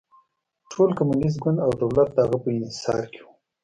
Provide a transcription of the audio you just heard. ټول کمونېست ګوند او دولت د هغه په انحصار کې و.